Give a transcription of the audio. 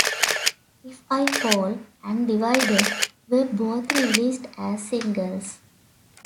"If I Fall" and "Divided" were both released as singles.